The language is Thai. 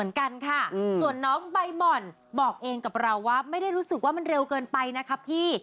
แล้ววันเกิดน้องใบบ่อนพอดีครับเมื่อวานนี้ก็เลยบอกว่าไม่มีของขวัญอะไรจะให้